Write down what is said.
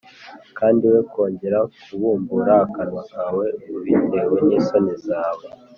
kandi we kongera kubumbura akanwa kawe ubitewe n’isoni zawe